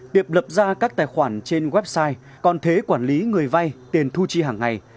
tiệp lập ra các tài khoản trên website còn thế quản lý người vay tiền thu chi hàng ngày